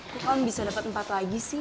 cuma bisa dapat empat lagi sih